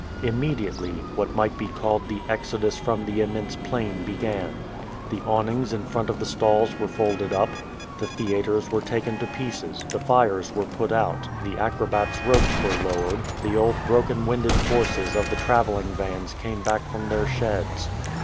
Immediately, what might be called the exodus from the immense plain began. The awnings in front of the stalls were folded up; the theaters were taken to pieces; the fires were put out; the acrobats' ropes were lowered; the old broken winded horses of the traveling vans came back from their sheds.